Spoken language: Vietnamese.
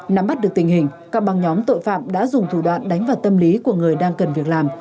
nắm bắt được tình hình các băng nhóm tội phạm đã dùng thủ đoạn đánh vào tâm lý của người đang cần việc làm